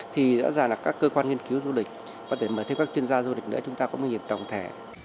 thì rõ ràng là các cơ quan nghiên cứu du lịch có thể mời thêm các chuyên gia du lịch nữa chúng ta có một nhìn tổng thể